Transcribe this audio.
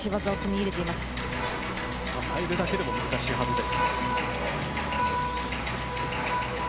支えるだけでも難しいはずです。